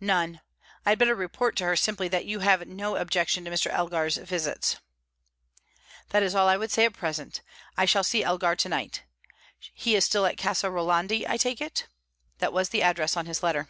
"None. I had better report to her simply that you have no objection to Mr. Elgar's visits." "That is all I would say at present. I shall see Elgar tonight. He is still at Casa Rolandi, I take it?" "That was the address on his letter."